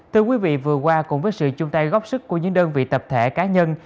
thưa quý vị vừa qua cùng với sự chung tay góp sức của những đơn vị tập thể cá nhân